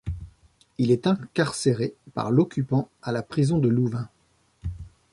Il est incarcéré par l'Occupant à la prison de Louvain.